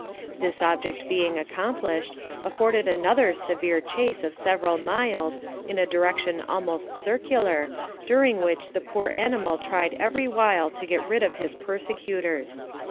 This object being accomplished, afforded another severe chase of several miles, in a direction almost circular, during which the poor animal tried every wile to get rid of his persecutors.